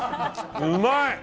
うまい！